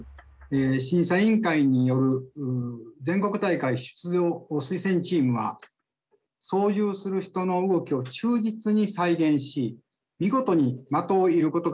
審査委員会による全国大会出場推薦チームは操縦する人の動きを忠実に再現し見事に的を射ることができました。